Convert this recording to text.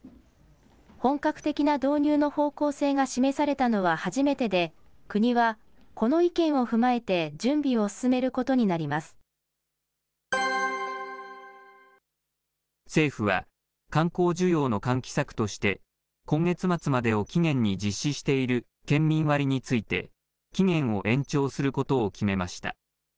本格的な導入の方向性が示されたのは初めてで、国は、この意見を踏まえて、準備を進めることにな政府は、観光需要の喚起策として今月末までを期限に実施している県民割について、期限を延長することを決めました。